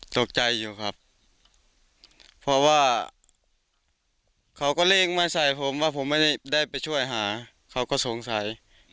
ตกใจอยู่ครับเพราะว่าเขาก็เร่งมาใส่ผมว่าผมไม่ได้ไปช่วยหาเขาก็สงสัย